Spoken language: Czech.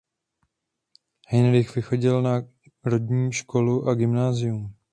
Heinrich vychodil národní školu a gymnázium.